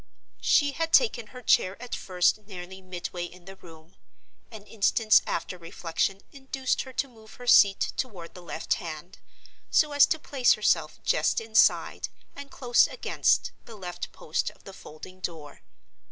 She had taken her chair at first nearly midway in the room. An instant's after reflection induced her to move her seat toward the left hand, so as to place herself just inside, and close against, the left post of the folding door.